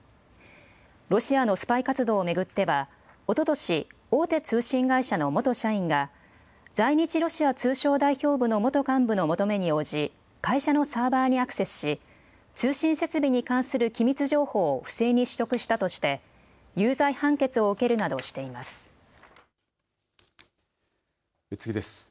ロシアのスパイ活動を巡っては、おととし、大手通信会社の元社員が、在日ロシア通商代表部の元幹部の求めに応じ、会社のサーバーにアクセスし、通信設備に関する機密情報を不正に取得したとして、有罪判決を受次です。